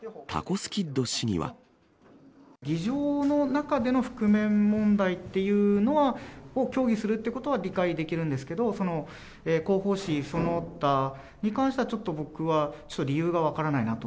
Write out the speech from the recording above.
議場の中での覆面問題っていうのは、協議するっていうことは理解できるんですけど、広報誌、その他に関しては、ちょっと僕は理由が分からないなと。